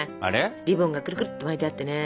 リボンがくるくるって巻いてあってね。